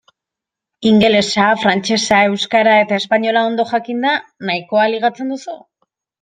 Ingelesa, frantsesa, euskara eta espainola ondo jakinda nahikoa ligatzen duzu?